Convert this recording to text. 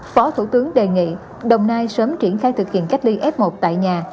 phó thủ tướng đề nghị đồng nai sớm triển khai thực hiện cách ly f một tại nhà